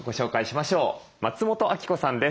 松本明子さんです。